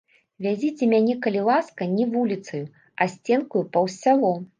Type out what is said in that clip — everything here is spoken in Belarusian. Вязіце мяне, калі ласка, не вуліцаю, а сценкаю паўз сяло.